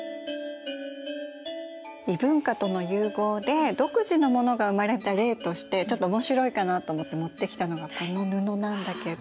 異文化との融合で独自のものが生まれた例としてちょっと面白いかなと思って持ってきたのがこの布なんだけど。